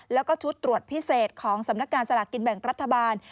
แล้วก็ชุดตรวจพิเศษของสำนักงานสลากกินแบ่งรัฐบาล